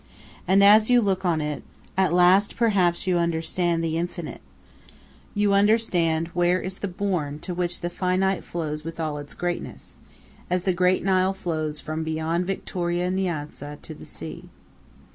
And as you look on it at last perhaps you understand the infinite; you understand where is the bourne to which the finite flows with all its greatness, as the great Nile flows from beyond Victoria Nyanza to the sea.